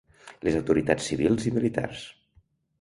Les autoritats civils i militars.